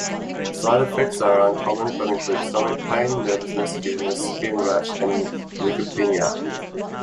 Side effects are uncommon but include stomach pain, nervousness, giddiness, skin rash and leukopenia.